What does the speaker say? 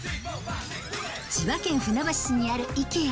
千葉県船橋市にあるＩＫＥＡ。